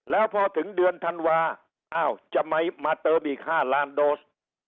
แล้วพอถึงเดือนธันวาอ้าวจะมาเติมอีก๕ล้านโดส